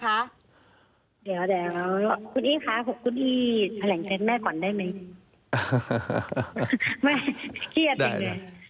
เดี๋ยวคุณอี้ค่ะพูดคุณอี้เผร่งเท้นแม่ก่อนได้ไหม